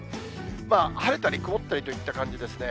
晴れたり曇ったりといった感じですね。